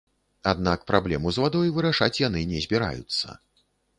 Аднак праблему з вадой вырашаць яны не збіраюцца.